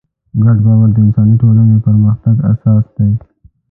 ګډ باور د انساني ټولنو د پرمختګ اساس دی.